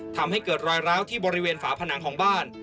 ทำให้เกิดรอยร้าวที่บริเวณฝาผนังของบ้าน